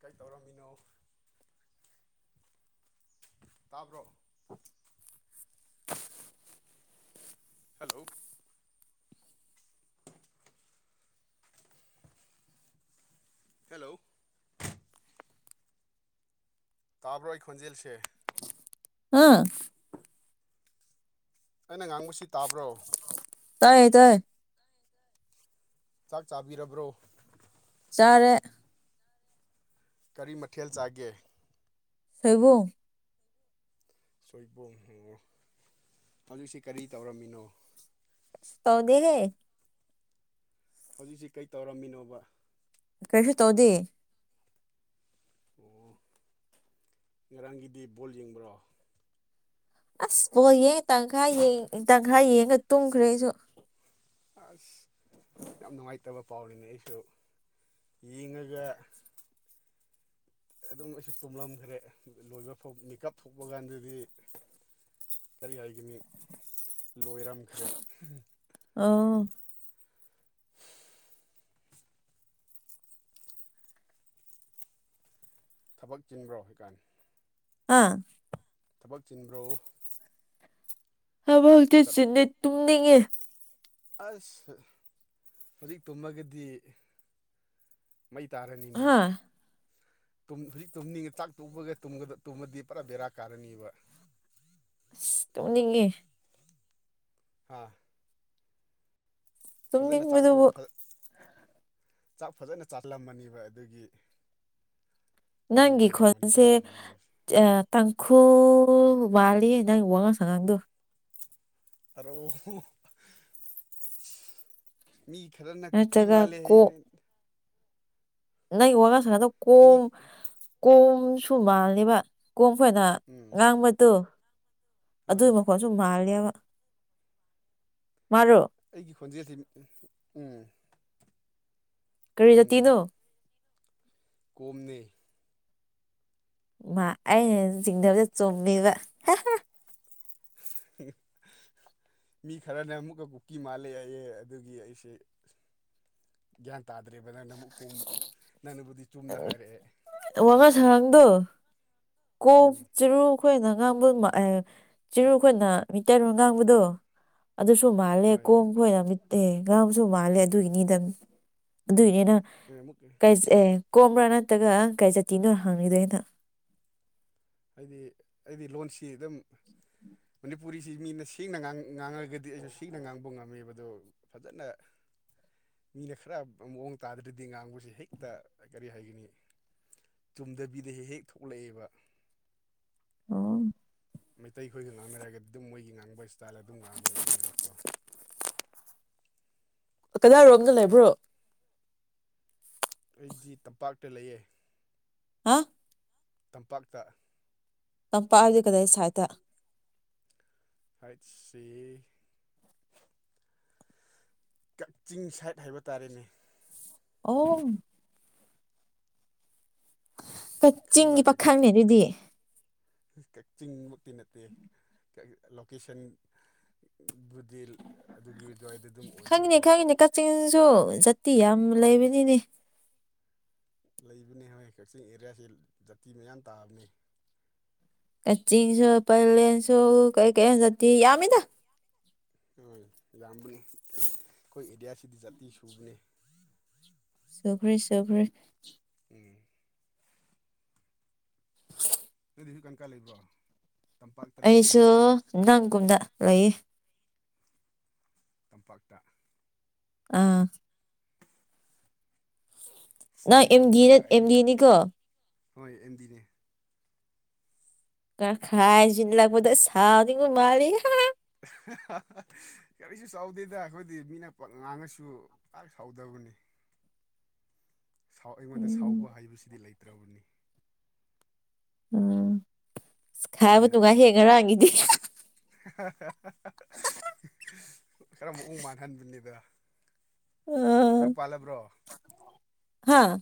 ꯀꯩ ꯇꯧꯔꯝꯃꯤꯅꯣ ꯇꯥꯕ꯭ꯔꯣ [inaudible] ꯍꯜꯂꯣ [unintelligible] ꯍꯦꯜꯂꯣ ꯇꯥꯕ꯭ꯔꯣ ꯑꯩ ꯈꯣꯟꯖꯦꯜꯁꯦ ꯑꯥ ꯑꯩꯅ ꯉꯥꯡꯕꯁꯤ ꯇꯥꯕ꯭ꯔꯣ ꯇꯥꯏꯌꯦ ꯇꯥꯏꯌꯦ ꯆꯥꯛ ꯆꯥꯕꯤꯔꯕ꯭ꯔꯣ ꯆꯥꯔꯦ ꯀꯔꯤ ꯃꯊꯦꯜ ꯆꯥꯒꯦ ꯁꯣꯏꯕꯨꯨꯝ ꯁꯣꯏꯕꯣꯝ ꯑꯣ ꯍꯧꯖꯤꯛꯁꯤ ꯀꯔꯤ ꯇꯧꯔꯝꯃꯤꯅꯣ ꯇꯥꯎꯗꯤ ꯌꯦ ꯍꯧꯖꯤꯛꯁꯤ ꯀꯩ ꯇꯧꯔꯝꯃꯤꯅꯣꯕ ꯀꯩꯁꯨ ꯇꯧꯗꯤ ꯑꯣ ꯉꯔꯥꯡꯒꯤꯗꯤ ꯕꯣꯜ ꯌꯦꯡꯕ꯭ꯔꯣ ꯑꯁ ꯕꯣ ꯌꯦꯡ ꯇꯪꯈꯥꯏ ꯇꯪꯈꯥꯏ ꯌꯦꯡꯉ ꯇꯨꯝꯈ꯭ꯔꯦ ꯑꯩꯁꯨ ꯑꯁ ꯌꯥꯝ ꯅꯨꯡꯉꯥꯏꯇꯕ ꯄꯥꯎꯔꯤꯅꯦ ꯑꯩꯁꯨ ꯌꯦꯡꯉꯒ ꯑꯗꯨꯝ ꯑꯩꯁꯨ ꯇꯨꯝꯂꯝꯈ꯭ꯔꯦ ꯂꯣꯏꯕ ꯐꯧ ꯃꯤꯀꯞ ꯊꯣꯛꯄ ꯀꯥꯟꯗꯗꯤ ꯀꯔꯤ ꯍꯥꯏꯒꯅꯤ ꯂꯣꯏꯔꯝꯈ꯭ꯔꯦ ꯑꯥ ꯊꯕꯛ ꯆꯤꯟꯕ꯭ꯔꯣ ꯍꯧꯖꯤꯀꯥꯟ ꯑꯥ ꯊꯕꯛ ꯆꯤꯟꯕ꯭ꯔꯣ ꯍꯥꯏꯕ ꯍꯧꯛꯇꯤ ꯆꯤꯟꯗꯦ ꯇꯨꯝꯅꯤꯡꯉꯦ ꯑꯁ ꯍꯧꯖꯤꯛ ꯇꯨꯝꯃꯒꯗꯤ ꯃꯩ ꯇꯥꯔꯅꯤꯅꯦ ꯍꯥ ꯇꯨꯝ ꯍꯧꯖꯤꯛ ꯇꯨꯝꯅꯤꯡꯉꯦ ꯆꯥꯛ ꯇꫭꯛꯕꯒ ꯇꯨꯝꯕꯗ ꯇꯨꯝꯃꯗꯤ ꯄꯨꯔꯥ ꯕꯦꯔꯥ ꯀꯥꯔꯅꯤꯕ ꯑꯁ ꯇꯨꯝꯅꯤꯡꯉꯤ ꯍꯥꯥ ꯐꯖꯅ ꯆꯥꯛꯇꯨ ꯇꯨꯝꯅꯤꯡꯕꯗꯨꯕꯨ ꯐ ꯆꯥꯛ ꯐꯖꯅ ꯆꯥꯔꯝꯃꯅꯦꯕ ꯑꯗꯨꯒꯤ ꯑꯗꯨꯒꯤ ꯅꯪꯒꯤ ꯑꯣꯏꯔꯝꯃꯅꯤ ꯅꯪ ꯈꯣꯟꯁꯦ ꯇꯨꯝꯅꯤꯡꯕꯁꯤ ꯇꯥꯡꯈꯨꯜ ꯃꯥꯜꯂꯤꯌꯦ ꯅꯪ ꯋꯥꯉꯥꯡ ꯁꯉꯥꯡꯗꯣ [unintelligible] ꯃꯤ ꯈꯔꯅ ꯀꯨꯀꯤ ꯅꯠꯇ꯭ꯔꯒ ꯃꯥꯜꯂꯦ ꯍꯥꯏꯌꯦꯅꯦ ꯅꯪ ꯋꯥꯉꯥꯡ ꯁꯉꯥꯡ ꯃꯤ ꯀꯣꯝ ꯀꯣꯝꯁꯨ ꯃꯥꯜꯂꯦꯕ ꯀꯣꯝ ꯈꯣꯏꯅ ꯎꯝ ꯉꯥꯡꯕꯗꯨ ꯍꯣꯏ ꯑꯗꯨꯏ ꯀꯣꯝꯁꯨ ꯃꯥꯂꯦꯕ ꯃꯥꯔꯣ ꯑꯩꯒꯤ ꯈꯣꯟꯖꯦꯜꯁꯤ ꯎꯝ ꯀꯔꯤ ꯖꯥꯇꯤꯅꯣ ꯀꯣꯝꯅꯦ ꯃꯥ ꯑꯩꯅ ꯆꯤꯡꯅꯕꯗꯣ ꯆꯨꯝꯃꯦꯕ ꯍꯝ [inaudible] ꯃꯤ ꯈꯔꯅ ꯑꯃꯨꯛꯀ ꯀꯨꯀꯤ ꯃꯥꯜꯂꯦ ꯍꯥꯏꯌꯦ ꯑꯗꯨꯒꯤ ꯑꯩꯁꯦ ꯒ꯭ꯌꯥꯟ ꯇꯥꯗ꯭ꯔꯦꯕ ꯅꯪꯅ ꯑꯃꯨꯛ ꯀꯣꯝ ꯅꯪꯅꯕꯨꯗꯤ ꯆꯨꯝꯅ ꯍꯥꯏꯔꯛꯑꯦ ꯋꯥꯉꯥꯡ ꯁꯥꯉꯥꯡꯗꯣ ꯀꯣꯝ ꯎꯝ ꯆꯤꯔꯨ ꯑꯩꯈꯣꯏꯅ ꯉꯥꯡꯕ ꯆꯤꯔꯨꯈꯣꯏꯅ ꯃꯤꯇꯩꯔꯣꯜ ꯉꯥꯡꯕꯗꯣ ꯑꯗꯨꯁꯨ ꯃꯥꯜꯂꯦ ꯍꯣꯏ ꯀꯣꯝ ꯑꯩꯈꯣꯏꯅ ꯃꯤꯇꯩ ꯉꯥꯡꯕꯁꯨ ꯃꯥꯜꯂꯦ ꯑꯗꯨꯒꯤꯅꯤꯗ ꯑꯗꯨꯒꯤꯅꯤꯅ ꯑꯩꯈꯣꯏ ꯅ ꯑꯃꯨꯛ ꯀꯣꯝꯔ ꯅꯠꯇ꯭ꯔꯒ ꯀꯩ ꯖꯥꯇꯤꯔ ꯍꯪꯉꯤꯗꯣ ꯑꯩꯅ ꯑꯩꯗꯤ ꯂꯣꯟꯁꯤ ꯑꯗꯨꯝ ꯃꯅꯤꯄꯨꯔꯤꯁꯤ ꯃꯤꯅ ꯁꯦꯡꯅꯥ ꯉꯥꯡꯉꯒꯗꯤ ꯑꯩꯁꯨ ꯁꯦꯡꯅ ꯉꯥꯡꯕ ꯉꯝꯃꯦꯕ ꯑꯗꯣ ꯐꯖꯅ ꯃꯤꯅ ꯈꯔ ꯃꯑꯣꯡ ꯇꯥꯗ꯭ꯔꯗꯤ ꯉꯥꯡꯕꯁꯤ ꯍꯦꯛꯇ ꯀꯔꯤ ꯍꯥꯏꯒꯅꯤ ꯆꯨꯝꯗꯕꯤꯗ ꯍꯦꯛ ꯍꯦꯛ ꯊꯣꯛꯂꯛꯑꯦꯕ ꯑꯣ ꯃꯩꯇꯩꯈꯣꯏꯒ ꯉꯥꯡꯅꯔꯒꯗꯤ ꯑꯗꯨꯝ ꯃꯣꯏꯒꯤ ꯉꯥꯡꯕ ꯏꯁꯇꯥꯏꯜ ꯑꯗꯨꯝ ꯉꯥꯡꯕ ꯉꯝꯃꯦꯕꯀꯣ ꯀꯗꯤꯢꯔꯣꯝꯗ ꯂꯩꯕ꯭ꯔꯣ ꯑꯩꯗꯤ ꯇꯝꯄꯥꯛꯇ ꯂꯩꯌꯦ ꯍꯥ ꯇꯝꯄꯥꯛꯇ ꯇꯝꯄꯥꯛ ꯍꯥꯢꯗꯤ ꯀꯗꯥꯏ ꯁꯋꯥꯠꯇ ꯁꯥꯢꯠꯁꯤ ꯀꯛꯆꯤꯡ ꯁꯥꯏꯠ ꯍꯥꯏꯕ ꯇꯥꯔꯦꯅꯦ ꯑꯣ ꯀ [inaudible] ꯈꯪꯕ꯭ꯔꯥ ꯀꯛꯆꯤꯡꯃꯛꯇꯤ ꯅꯠꯇꯦ ꯂꯣꯀꯦꯁꯟ ꯗꯤ ꯑꯗꯨꯒꯤ ꯑꯗꯨꯋꯥꯏꯗ ꯑꯗꯨꯝ ꯈꯪꯉꯤꯅꯦ ꯑꯣꯏꯕꯀꯣ ꯈꯪꯉꯤꯅꯦ ꯀꯛꯆꯤꯡꯁꯨ ꯖꯥꯇꯤ ꯌꯥꯝ ꯂꯩꯕꯅꯤꯅꯦ ꯂꯩꯕꯅꯦ ꯍꯣꯏ ꯀꯛꯆꯤꯡ ꯑꯦꯔꯤꯌꯥꯁꯤ ꯖꯥꯇꯤ ꯃꯌꯥꯝ ꯇꯥꯕꯅꯦ ꯀꯛꯆꯤꯡꯁꯨ ꯄꯂꯦꯟꯁꯨ ꯀꯔꯤ ꯀꯩꯅꯣ ꯖꯥꯇꯤ ꯌꯥꯝꯃꯤꯗ ꯍꯣꯢ ꯌꯥꯝꯕꯅꯤ ꯑꯩꯈꯣꯏ ꯑꯦꯔꯤꯌꯥꯁꯤꯗꯤ ꯖꯥꯇꯤ ꯁꯨꯕꯅꯦ ꯁꯨꯈ꯭ꯔꯦ ꯁꯨꯈ꯭꯭ꯔꯦ ꯎꯝ ꯗꯤ ꯍꯧꯖꯤꯛ ꯀꯪꯀꯥ ꯂꯩꯕ꯭ꯔꯣ ꯇꯝꯄꯥꯛꯇꯔꯣ ꯑꯩꯁꯨ ꯆꯤꯡꯗꯔꯣ ꯅꯪꯒꯨꯝꯗ ꯂꯩꯌꯦ ꯇꯝꯄꯥꯛꯇ ꯑꯥ ꯑꯁ ꯅꯪ ꯑꯦꯝꯗꯤ ꯅꯪꯒꯨꯝꯅ ꯀꯥꯏ ꯑꯦꯝꯗꯤꯅꯤꯒꯣ ꯍꯣꯏ ꯑꯦꯝꯗꯤꯅꯦ [inaudible] ꯈꯥꯏꯁꯤꯅꯤ ꯂꯥꯛꯄꯗ ꯆꯥꯎꯗꯤꯉ ꯃꯥꯏ ꯍꯥ ꯀꯔꯤꯁꯨ ꯁꯥꯎꯗꯦꯗ ꯑꯩꯈꯣꯏꯗꯤ ꯃꯤꯅ ꯄ ꯉꯥꯡꯉꯁꯨ ꯄꯥꯛ ꯁꯥꯎꯗꯕꯅꯤ ꯁꯥꯎ ꯑꯩꯉꯣꯟꯗ ꯎꯝ ꯁꯥꯎꯕ ꯍꯥꯏꯕꯁꯤꯗꯤ ꯂꯩꯇ꯭ꯔꯕꯅꯤ ꯎꯝ ꯈꯥꯏꯕ ꯃꯤꯅ ꯅꯨꯡꯉꯥꯢꯍꯦ ꯉꯔꯥꯡꯒꯤꯗꯤ ꯈꯔ ꯃꯑꯣꯡ ꯃꯥꯟꯍꯟꯕꯅꯤꯗ ꯌꯨꯝ ꯄꯥꯜꯂꯕ꯭ꯔꯣ ꯍꯥꯥ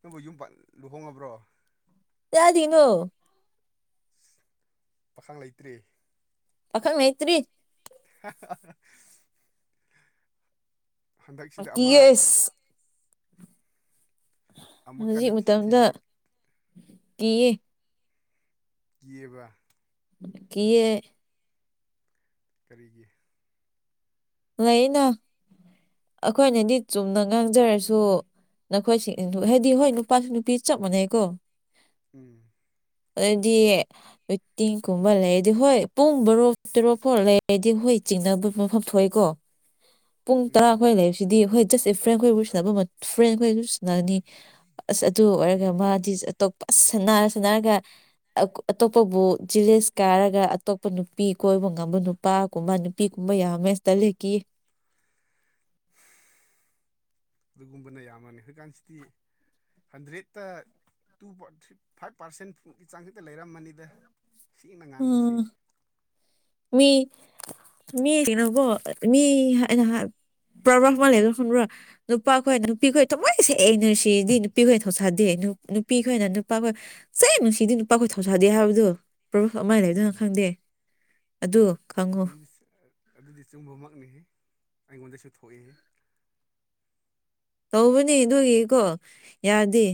ꯅꯪꯕꯨ ꯌꯨꯝ ꯂꯨꯍꯣꯡꯉꯕ꯭ꯔꯣ ꯇꯥ ꯊꯅꯣ ꯄꯥꯈꯪ ꯂꯩꯇ꯭꯭ꯔꯔꯤ ꯑꯈꯪ ꯃꯩꯇ꯭ꯔꯤ [unintelligible] ꯍꯟꯗꯛꯁꯤꯗ ꯀꯤꯌꯦ ꯑꯃ ꯑꯁ ꯑꯃꯨꯛ ꯍꯧꯖꯤꯛ ꯀꯟꯅ ꯊꯤ ꯊꯤ ꯃꯇꯝꯗ ꯀꯤꯌꯦ ꯌꯦꯕ ꯀꯌꯦ ꯀꯔꯤꯒꯤ ꯂꯩꯩꯅ ꯑꯩꯈꯣꯏꯅꯗꯤ ꯆꯨꯝꯅ ꯉꯥꯡꯖꯔꯁꯨ ꯅꯈꯣꯏ ꯍꯥꯏꯗꯤ ꯍꯣꯏ ꯅꯨꯄꯥꯁꯨ ꯅꯨꯄꯤ ꯆꯞ ꯃꯥꯟꯅꯩꯀꯣ ꯎꯝ ꯑꯗꯨꯗꯤ ꯋꯇꯤꯡꯒꯨꯝꯕ ꯂꯩꯔꯗꯤ ꯍꯣꯏ ꯄꯨꯡ ꯕꯔꯣꯛ ꯇꯔꯣꯐꯥꯎ ꯂꯩꯔꯗꯤ ꯍꯣꯏ ꯆꯤꯡꯅꯕ ꯃꯐꯝ ꯊꯣꯛꯑ ꯀꯣ ꯄꯨꯡ ꯎꯝ ꯇꯔꯥꯈꯣꯏ ꯂꯩꯕꯁꯤꯗꯤ ꯍꯈꯣꯏ ꯖꯁ ꯑꯦ ꯐ꯭ꯔꯦꯟ ꯈꯈꯣꯏꯕꯨ ꯁꯥꯟꯅꯕ ꯐ꯭ꯔꯦꯟ ꯈꯣꯏ ꯅꯅꯤ ꯑꯁ ꯑꯗꯨ ꯑꯣꯏꯔꯒ ꯎꯝ ꯃꯥꯗꯤ ꯑꯇꯣꯞꯄ ꯑꯁ ꯁꯅꯔ ꯁꯥꯟꯅꯔꯒ ꯑꯇꯣꯞꯄꯕꯨ ꯖꯤꯂꯦꯁ ꯀꯥꯔꯒ ꯑꯇꯣꯞꯄ ꯅꯨꯄꯤ ꯀꯣꯏꯕ ꯉꯝꯕ ꯅꯨ ꯅꯨꯄꯥꯒꯨꯝꯕ ꯅꯨꯄꯤꯒꯨꯝꯕ ꯌꯥꯝꯃꯦ ꯇꯂꯤ ꯑꯗꯨꯒꯨꯝꯕꯅ ꯌꯥꯝ ꯑꯃꯅꯤꯅꯤ ꯍꯀꯥꯟꯁꯤꯗꯤ ꯍꯟꯗ꯭ꯔꯦꯠꯇ ꯇꯨ ꯐꯥꯏꯚ ꯄꯥꯔꯁꯦꯟ ꯐꯨꯝꯒꯤ ꯆꯥꯡꯁꯤꯠꯇ ꯂꯩꯔꯝꯃꯅꯤꯗ ꯁꯤꯅ ꯉꯥꯡꯕꯁꯤ ꯎꯝ ꯃꯤ ꯃꯤ ꯀꯩꯅꯣꯀꯣ ꯃꯤ ꯄ꯭ꯔꯕ ꯃꯥꯜ ꯂꯩꯒ ꯁꯨꯡꯕ꯭ꯔ ꯅꯨꯄꯥ ꯈꯣꯏ ꯅꯨꯄꯤ ꯈꯣꯏ ꯇꯉꯥꯏꯁꯦ ꯑꯩꯅ ꯁꯤꯗꯤ ꯅꯨꯄꯤꯈꯣꯏꯅ ꯊꯧꯁꯥꯗꯦ ꯅꯨꯄꯤ ꯈꯣꯏꯅ ꯅꯨꯄꯥꯈꯣꯏ ꯁ ꯅꯨꯡꯁꯤꯗꯤ ꯅꯨꯨꯄꯥꯈꯣꯏ ꯊꯧꯁꯥꯗꯦ ꯍꯥꯏꯕꯗꯣ ꯄ꯭ꯔꯕꯨ ꯑꯃꯥꯏ ꯎꯝ ꯂꯩꯗꯅ ꯈꯪꯗꯦ ꯑꯗꯨꯣꯪ ꯑꯗꯨꯗꯤ ꯆꯨꯝꯕꯃꯛꯅꯤꯍꯦ ꯑꯩꯉꯣꯟꯗꯁꯨ ꯊꯣꯛꯑꯦꯍꯦ ꯇꯧꯕꯅꯦ ꯑꯗꯨꯒꯤꯀꯣ ꯌꯥꯗꯦ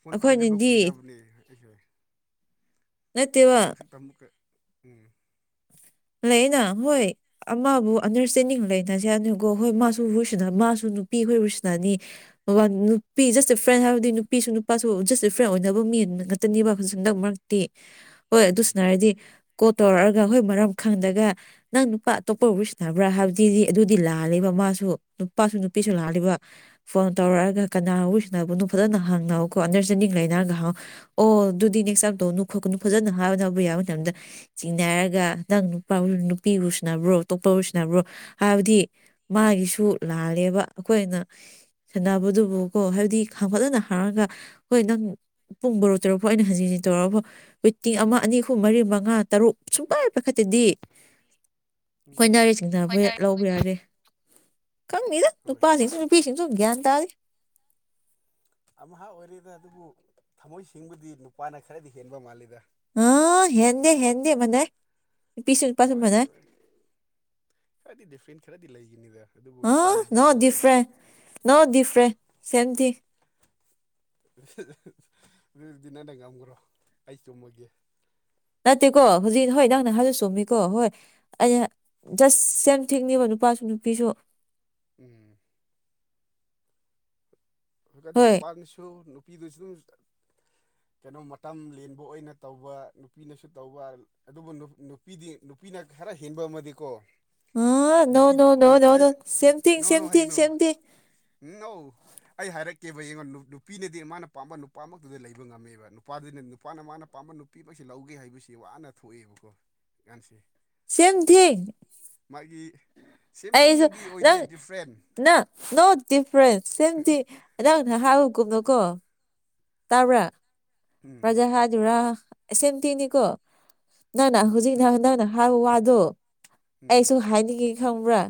ꯐꯣꯟ ꯄꯥꯏꯗꯕ ꯑꯩꯈꯣꯏꯅꯗꯤ ꯀꯨꯏꯔꯕꯅꯦ ꯑꯩꯁꯦ ꯅꯠꯇꯦꯕ ꯍꯟꯗꯛ ꯁꯠ ꯇꯝꯃꯨ ꯀ ꯎꯝ ꯂꯩꯅ ꯍꯣꯏ ꯑꯃꯕꯨ ꯑꯟꯗꯔꯁꯇꯦꯟꯗꯤꯡ ꯂꯩꯅꯁꯦꯅꯤꯀꯣ ꯍꯣꯏ ꯃꯥꯁꯨ ꯎꯔꯁꯤꯅ ꯃꯥꯁꯨ ꯅꯨꯄꯤ ꯍꯣꯏ ꯎꯨꯁꯤꯅꯅꯤ ꯕꯥ ꯅꯨꯄꯤ ꯖꯁ ꯑꯦ ꯐ꯭ꯔꯦꯟ ꯍꯥꯏꯕꯗꯤ ꯅꯨꯄꯤꯁꯨ ꯅꯨꯄꯥꯁꯨ ꯖꯁ ꯑꯦ ꯐ꯭ꯔꯦꯟ ꯑꯣꯏꯅꯕ ꯃꯤ ꯉꯛꯇꯅꯤꯕ ꯍꯟꯗꯛ ꯃꯔꯛꯇꯤ [unintelligible] ꯍꯣꯏ ꯑꯗꯨꯁꯨꯅ ꯍꯥꯏꯔꯗꯤ ꯀꯣ ꯇꯧꯔꯛꯑꯒ ꯍꯣꯏ ꯃꯔꯝ ꯈꯪꯗꯒ ꯅꯪ ꯅꯨꯄꯥ ꯑꯇꯣꯞꯄꯕꯨ ꯁꯤꯅꯕ꯭ꯔꯥ ꯍꯥꯏꯕꯗꯨꯗꯤ ꯑꯗꯨꯗꯤ ꯂꯥꯜꯂꯦꯕ ꯃꯥꯁꯨ ꯅꯨꯄꯥꯁꯨ ꯅꯨꯄꯤꯁꯨ ꯎꯝ ꯂꯥꯛꯜꯂꯤꯕ ꯐꯣꯟ ꯇꯧꯔꯛꯑꯒ ꯀꯅꯥꯕꯨꯔꯤꯁꯤꯅꯕꯅꯣ ꯐꯖꯅ ꯍꯪꯅ ꯀꯣ ꯑꯟꯗꯔꯁꯇꯦꯟꯗꯤꯡ ꯂꯩꯅꯔꯒ ꯍꯪꯉ ꯑꯣ ꯑꯗꯨꯗꯤ ꯅꯦꯛꯁ ꯇꯥꯞꯇꯣ ꯐꯖꯅ ꯍꯥꯕꯕ ꯌꯥꯕ ꯃꯇꯝꯗ ꯆꯤꯡꯅ ꯍꯥꯏꯔꯒ ꯅꯪ ꯅꯨꯄꯥ ꯅꯨꯄꯤ ꯑꯣꯏꯁꯤꯕ꯭ꯔꯣ ꯑꯇꯣꯞꯄ ꯑꯣꯏꯁꯤꯕ꯭ꯔꯣ ꯍꯥꯏꯕꯗꯤ ꯃꯥꯒꯤꯁꯨ ꯂꯥꯜꯂꯦꯕ ꯑꯩꯈꯣꯏꯅ ꯁꯥꯟꯅꯕꯗꯨꯕꯨꯀꯣ ꯍꯥꯏꯕꯗꯤ ꯈꯥꯡꯝꯒꯠꯅꯅ ꯍꯔꯒ ꯍꯣꯏ ꯅꯪ ꯄꯨꯡ ꯕꯣꯔꯣ ꯇꯔꯛꯐꯥꯎ ꯑꯩꯅꯟ ꯍꯟ ꯇꯧꯔꯒꯐꯥꯎ ꯋꯤ ꯇꯤꯡ ꯑꯃ ꯑꯅꯤ ꯑꯈꯨ ꯃꯔꯤ ꯃꯉꯥ ꯇꯔꯨꯛ ꯁꯨꯡꯄꯥꯏ ꯄꯈꯠꯇꯗꯤ ꯎꯝ ꯑꯩꯈꯣꯏ ꯅꯥꯎꯔꯤꯦ ꯆꯤꯡꯊꯅꯕ ꯍꯣꯏꯅ ꯍ ꯂꯧꯕ ꯌꯥꯔꯦ ꯀꯃꯤꯗ ꯇꯨꯡ ꯍꯣꯏ ꯄꯥꯁꯤ ꯊ ꯄꯤꯤꯁꯅꯤ ꯊꯣꯡ ꯌꯥ ꯑꯗꯤ ꯑꯃꯍꯥ ꯑꯣꯏꯔꯤꯦꯗ ꯑꯗꯨꯕꯨ ꯊꯝꯃꯣꯏ ꯁꯤꯡꯕꯨꯗꯤ ꯅꯨꯄꯥꯅ ꯈꯔꯗꯤ ꯍꯦꯟꯕ ꯃꯥꯜꯂꯤꯦꯗ ꯑ ꯍꯦꯟꯗꯤꯦ ꯍꯦꯟꯗꯤꯦ ꯃꯅꯦ ꯃꯥꯟꯅꯔꯣꯏ ꯍꯥꯏꯔꯗꯤ ꯗꯤꯐꯦꯟ ꯈꯔꯗꯤ ꯂꯩꯈꯤꯅꯤꯗ ꯑ ꯅ ꯗꯤꯄ꯭ꯔꯦ ꯅ ꯗꯤꯄ꯭ꯔꯦ ꯁꯃꯤ ꯑꯗꯨꯗꯤ ꯅꯟꯗꯪ ꯉꯝꯈ꯭ꯔꯣ ꯑꯩ ꯆꯨꯝꯃꯒꯦ ꯅꯠꯇꯦꯀꯣ ꯍꯧꯖꯤꯛ ꯍꯣꯏ ꯅꯪꯅ ꯍꯥꯏꯜꯂꯨ ꯆꯣꯝꯃꯤꯀꯣ ꯍꯣꯏ ꯑꯩꯅ ꯖꯁ ꯁꯦꯝ ꯊꯤꯡꯅꯦꯕ ꯅꯨꯄꯥꯁꯨ ꯅꯨꯄꯤꯁꯨ ꯎꯝ ꯑꯣꯏꯗꯤ ꯍꯣꯏ ꯅꯨꯄꯥꯅꯁꯨ ꯅꯨꯄꯤꯗꯨꯁꯨ ꯑꯗꯨꯝ ꯀꯩꯅꯣ ꯃꯇꯝ ꯂꯦꯟꯕ ꯑꯣꯏꯅ ꯇꯧꯕ ꯅꯨꯄꯤꯅꯁꯨ ꯇꯧꯕ ꯑꯗꯨꯕꯨ ꯅꯨꯄꯤꯗꯤ ꯅꯨꯄꯤꯅ ꯈꯔ ꯍꯦꯟꯕ ꯑꯃꯗꯤꯀꯣ ꯑ ꯅꯨꯄꯤ ꯅꯣ ꯅꯣ ꯅꯣ ꯅꯣ ꯑꯩ ꯅꯣ ꯁꯦꯝ ꯊꯤꯡ ꯅꯣꯅ ꯁꯦꯝ ꯊꯤꯡ ꯁꯦꯝ ꯊꯤꯡ ꯍꯥꯏꯒꯅꯣꯧ ꯑꯩ ꯍꯥꯏꯔꯛꯀꯦꯕ ꯑꯩꯡꯉꯣꯟ ꯅꯨꯄꯤꯅꯗꯤ ꯃꯥꯅ ꯄꯥꯝꯕ ꯅꯨꯄꯥꯃꯛꯇꯨꯗ ꯂꯩꯕ ꯉꯝꯃꯦꯕ ꯅꯨꯄꯥꯗꯨꯅ ꯅꯨꯄꯥꯅ ꯃꯥꯅ ꯄꯥꯝꯕ ꯅꯨ ꯑꯄꯤꯃꯛꯁꯦ ꯂꯧꯒꯦ ꯍꯥꯏꯕꯁꯤ ꯋꯥꯅ ꯊꯣꯛꯑꯦꯕꯀꯣ ꯏꯀꯥꯟꯁꯦ ꯁꯦꯝꯝ ꯊꯤꯤꯡ ꯃꯥꯒꯤ ꯁꯦꯝ ꯑꯩꯁꯨ ꯊꯤꯡꯗꯤ ꯅꯪ ꯑꯣꯏꯗꯦ ꯗꯤꯐ꯭ꯔꯦꯟ ꯅꯪ ꯅꯣ ꯗꯤꯐ꯭ꯔꯦꯟꯁ ꯁꯤꯗꯤ ꯑꯦꯗꯅ ꯍꯥꯏꯥꯎ ꯀꯨꯝꯅ ꯀꯣ ꯇꯥꯕ꯭ꯔꯥ ꯎꯝ ꯄ꯭ꯔꯖꯥ ꯍꯥꯏꯗꯨꯔꯥ ꯁꯦꯝꯇꯤꯅꯤꯀꯣ ꯅꯪꯅ ꯍꯧꯖꯤꯛ ꯅ ꯅꯪꯅ ꯍꯥꯏꯕ ꯋꯥꯗꯣ ꯎꯝ ꯑꯩꯁꯨ ꯍꯥꯏꯅꯤꯡꯉꯤ ꯈꯪꯕ꯭ꯔꯥ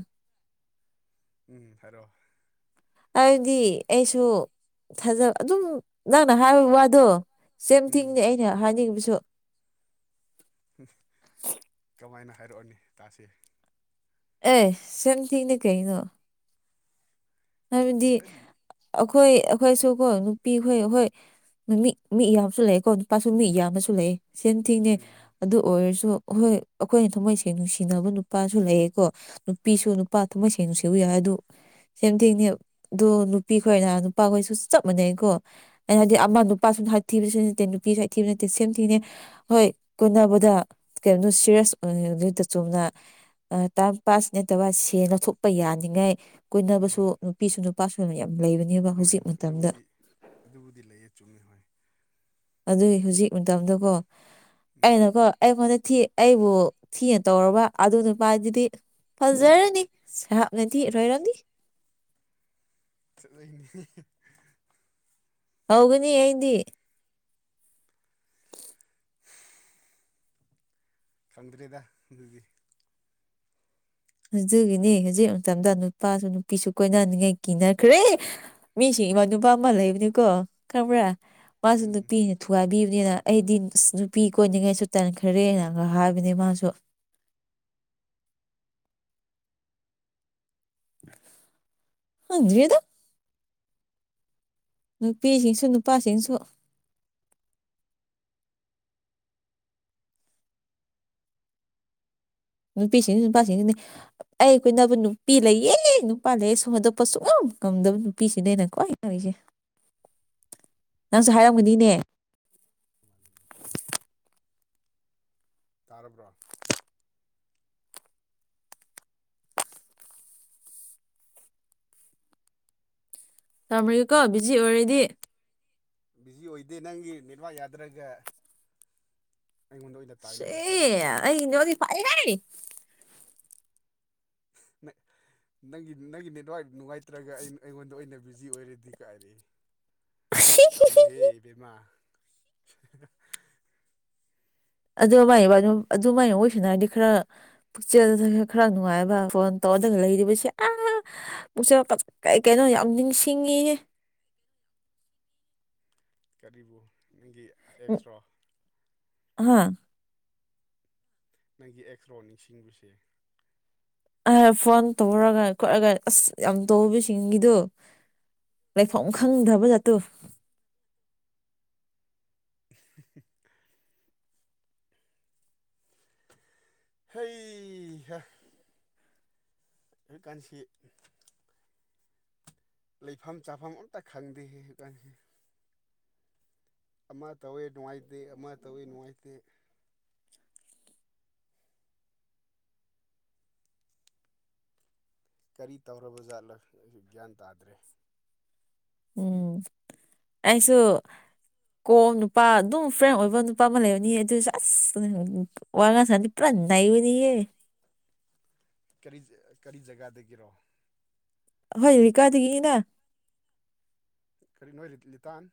ꯎꯝ ꯍꯥꯏꯔꯣ ꯍꯥꯏꯗꯤ ꯑꯩꯁꯨ ꯊꯥꯖꯕ ꯑꯗꯨꯝ ꯅꯪꯅ ꯍꯥꯏꯕ ꯋꯥꯗꯣ ꯁꯦꯝ ꯎꯝ ꯊꯤꯡꯅꯦ ꯑꯩꯅ ꯍꯥꯏꯅꯤꯡꯕꯁꯨ ꯀꯃꯥꯏꯅ ꯍꯥꯏꯔꯛꯑꯣꯅꯦ ꯇꯥꯁꯦ ꯑꯦ ꯁꯦꯝ ꯊꯤꯡꯅꯦ ꯀꯩꯅꯣ ꯍꯥꯏꯕꯗꯤ ꯑꯗꯨꯕꯨ ꯈꯔꯗꯤ ꯑꯩꯈꯣꯏ ꯑꯩꯈꯣꯏꯁꯨ ꯀꯣ ꯅꯨꯄꯤꯈꯣꯏ ꯑꯩꯈꯣꯏ ꯃꯤ ꯃꯤ ꯌꯥꯝꯕꯁꯨ ꯂꯩꯑꯦꯀꯣ ꯅꯨꯄꯥꯁꯨ ꯃꯤ ꯌꯥꯝꯕꯁꯨ ꯂꯩꯑꯦ ꯁꯦꯝ ꯊꯤꯡꯅꯦ ꯎꯝ ꯑꯗꯨ ꯑꯣꯏꯔꯁꯨ ꯍꯣꯏ ꯑꯩꯈꯣꯏꯅ ꯊꯝꯃꯣꯏ ꯁꯦꯡꯅ ꯅꯨꯡꯁꯤꯅꯕ ꯅꯨꯄꯥꯁꯨ ꯂꯩꯌꯦꯀꯣ ꯅꯨꯄꯤꯁꯨ ꯅꯨꯄꯥ ꯊꯃꯣꯢ ꯁꯦꯡꯅꯨ ꯁꯎ ꯌꯥꯏ ꯍꯥꯏ ꯑꯗꯨ ꯁꯦꯝ ꯊꯦꯡꯅꯦ ꯑꯗꯣ ꯅꯨꯄꯤ ꯈꯣꯏꯔ ꯅꯨꯄꯥꯈꯣꯏꯁꯨ ꯆꯞ ꯃꯥꯟꯅꯩꯀꯣ ꯩꯅ ꯍꯥꯏꯗꯤ ꯑꯃ ꯅꯨꯄꯥ ꯁ ꯍꯥꯏ ꯊꯤꯕꯁꯨ ꯅꯠꯇꯦ ꯅꯨꯄꯤꯁꯨ ꯍꯥꯏ ꯊꯤꯕ ꯅꯠꯇꯦ ꯁꯦꯝ ꯊꯤꯅꯦ ꯍꯣꯏ ꯀꯣꯏꯅꯕꯗ ꯀꯩꯅꯣꯣ ꯁꯤꯦꯔꯤꯌꯥꯁ ꯑꯣꯏꯗ ꯆꯨꯝꯅ ꯇꯥꯏꯝ ꯄꯥꯁ ꯅꯠꯇꯕ ꯁꯦ ꯂꯧꯊꯣꯛꯄ ꯌꯥꯅꯤꯡꯉꯥꯏ ꯎꯝ ꯀꯨꯏꯅꯕꯁꯨ ꯅꯨꯄꯤꯁꯨ ꯅꯨꯄꯥꯁꯨ ꯑꯣꯏꯅ ꯌꯥꯝ ꯂꯩꯕꯅꯦꯕ ꯍꯣꯏ ꯍꯧꯖꯤꯛ ꯃꯇꯝꯗ ꯑꯗꯨꯕꯨꯗꯤ ꯑꯗꯨꯕꯨꯗꯤ ꯂꯩꯌꯦ ꯆꯨꯝꯃꯤ ꯍꯣꯏ ꯑꯗꯨꯏ ꯍꯧꯖꯤꯛ ꯃꯇꯝꯗꯀꯣ ꯎꯝ ꯑꯩꯅꯀꯣ ꯑꯩꯉꯣꯟꯗ ꯊꯤ ꯑꯩꯕꯨ ꯊꯤꯅ ꯇꯧꯔꯕ ꯑꯗꯨ ꯅꯨꯄꯥꯗꯨꯗꯤ ꯐꯖꯖꯔꯅꯤ ꯁꯥꯔꯞꯅꯦꯗꯤ ꯑꯁ ꯔꯣꯏꯔꯗꯤ ꯆꯠꯂꯅꯤ ꯍꯧꯒꯅꯤ ꯑꯩꯗꯤ ꯐꯪꯗ꯭ꯔꯦꯗ ꯑꯗꯨꯗꯤ ꯑꯗꯨꯒꯤꯅꯤ ꯍꯧꯖꯤꯛ ꯃꯇꯝꯗ ꯅꯨꯄꯥꯁꯨ ꯅꯨꯄꯤꯁꯨ ꯀꯣꯏꯅꯅꯤꯡꯉꯥꯏ ꯀꯤꯅꯈ꯭ꯔꯦ ꯃꯤꯁꯤ ꯏꯃꯥ ꯅꯨꯨꯄꯥ ꯑꯃ ꯂꯩꯕꯅꯤꯀꯣ ꯈꯪꯕ꯭ꯔꯥ ꯃꯥꯁꯨ ꯎꯝ ꯅꯨꯄꯤꯅꯤ ꯊꯨꯒꯥꯏꯕꯤꯕꯅꯤꯅ ꯑꯩꯗꯤ ꯅꯨꯄꯤ ꯀꯣꯏꯅꯤꯡꯉꯥꯏꯁꯨ ꯇꯟꯈ꯭ꯔꯦꯅꯒ ꯍꯥꯏꯕꯅꯤ ꯃꯥꯁꯨ ꯍꯪꯗ꯭ꯔꯦꯗ ꯅꯨꯄꯤꯁꯤꯡꯁꯨ ꯅꯨꯄꯥꯁꯤꯡꯁꯨ ꯅꯨꯄꯤꯁꯤꯡꯅꯤ ꯅꯨꯄꯥꯁꯤꯡꯅꯤ ꯑꯩ ꯀꯣꯢꯅꯕ ꯅꯨꯄꯤ ꯂꯩꯌꯦ ꯅꯨꯄꯥ ꯂꯩꯌꯦ ꯁꯨꯝ ꯍꯟꯗꯣꯛꯄ ꯁꯨꯡꯉꯝ ꯉꯝꯗꯕ ꯅꯨꯄꯤꯁꯤꯅꯦ ꯑꯩ ꯈ꯭ꯋꯥꯏ ꯉꯛꯢꯁꯦ [inaudible] ꯅꯪꯁꯨ ꯍꯥꯏꯔꯝꯒꯅꯤꯅꯦ ꯍ ꯇꯥꯔꯕ꯭ꯔꯣ ꯇꯥꯃꯔꯤꯀꯣ ꯕꯤꯖꯤ ꯑꯣꯏꯔꯦꯗꯤ ꯕꯤꯖꯤ ꯑꯣꯏꯗꯦ ꯅꯪꯒꯤ ꯅꯦꯠꯋꯥꯛ ꯌꯥꯗ꯭ꯔꯒ ꯑꯩꯉꯣꯟꯗ ꯑꯣꯏꯅ ꯁꯤ ꯇꯥꯏꯅꯕ ꯁꯥꯏꯅꯦ ꯑꯩ ꯅꯦꯋꯥꯗꯤ ꯐꯩꯍꯦ ꯃ ꯅꯪꯒꯤ ꯅꯪꯒꯤ ꯅꯦꯠꯋꯥꯥꯛ ꯅꯨꯡꯉꯥꯏꯇ꯭ꯔꯒ ꯑꯩꯉꯣꯟꯗ ꯑꯣꯏꯅ ꯕꯤꯖꯤ ꯑꯣꯏꯔꯗꯤ ꯀꯥꯏꯔꯛꯑꯦ ꯇꯧꯅꯨꯍꯦ ꯢꯕꯦꯝꯃꯥ ꯑꯗꯨꯃꯥꯏ ꯑꯗꯨꯃꯥꯏ ꯋꯥꯔꯤ ꯁꯥꯟꯅꯔꯗꯤ ꯈꯔ ꯄꯨꯛꯆꯦꯜꯗ ꯈꯔ ꯅꯨꯡꯉꯥꯏꯕ ꯐꯣꯟ ꯇꯧꯔꯗꯅ ꯂꯩꯔꯤꯕꯁꯤ ꯑꯥ ꯃꯛꯁꯦ ꯀꯩ ꯀꯩꯅꯣ ꯌꯥꯝ ꯅꯤꯡꯁꯤꯡꯉꯤꯌꯦ ꯀꯔꯤꯕꯨ ꯅꯪꯒꯤ ꯑꯦꯛꯁꯔꯣ ꯍꯥꯥ ꯅꯪꯒꯤ ꯑꯦꯛꯁ ꯔꯣ ꯅꯤꯡꯁꯤꯡꯕꯁꯦ ꯐꯣꯟ ꯇꯧꯔꯒ ꯈꯣꯠꯂꯒ ꯑꯁ ꯌꯥꯝ ꯇꯧꯕꯁꯤꯡꯒꯤꯗꯣ ꯂꯩꯐꯝ ꯎꯝ ꯈꯪꯗꯕ ꯖꯠꯇꯨ [unintelligible] ꯍꯩꯍꯥ ꯑꯩ ꯀꯥꯟꯁꯤ ꯂꯩꯐꯝꯥꯐꯝ ꯆꯥꯐꯐꯝꯝ ꯑꯣꯟꯇꯥ ꯈꯪꯗꯦꯁ ꯑꯃ ꯇꯧꯋꯦ ꯅꯨꯡꯉꯥꯏꯇꯦ ꯑꯃ ꯇꯧꯋꯦ ꯅꯨꯡꯉꯥꯏꯇꯦ ꯀꯔꯤ ꯇꯧꯔꯕꯖꯥꯠꯂ ꯒ꯭ꯌꯥꯟ ꯇꯥꯗ꯭ꯔꯦ ꯎꯝ ꯑꯩꯁꯨ ꯀꯣꯝ ꯅꯨꯄꯥ ꯑꯗꯨꯝ ꯐ꯭ꯔꯦꯟ ꯑꯣꯏꯕ ꯅꯨꯄꯥ ꯑꯃ ꯂꯩꯕꯅꯤ ꯑꯗꯨ ꯑꯁ ꯋꯥꯉ ꯁꯅꯤꯄ꯭ꯔ ꯅꯩꯕꯗꯤꯑꯦ ꯀꯔꯤ ꯀꯔꯤ ꯖꯒꯥꯗꯒꯤꯔꯣ ꯍꯖꯤꯗꯤ ꯀꯥꯗꯤꯒꯤꯅ ꯀꯔꯤ ꯅꯣꯏ ꯂꯤꯇꯥꯟ